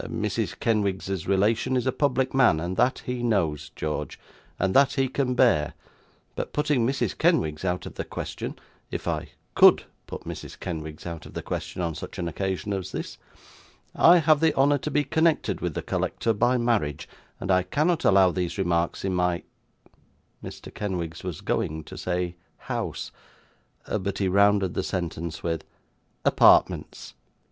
Mrs. Kenwigs's relation is a public man, and that he knows, George, and that he can bear; but putting Mrs. Kenwigs out of the question (if I COULD put Mrs. Kenwigs out of the question on such an occasion as this), I have the honour to be connected with the collector by marriage; and I cannot allow these remarks in my ' Mr. Kenwigs was going to say 'house,' but he rounded the sentence with 'apartments'.